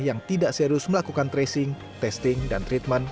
yang tidak serius melakukan tracing testing dan treatment